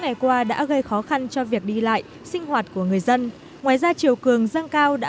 ngày qua đã gây khó khăn cho việc đi lại sinh hoạt của người dân ngoài ra chiều cường dâng cao đã